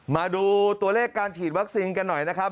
มาดูตัวเลขการฉีดวัคซีนกันหน่อยนะครับ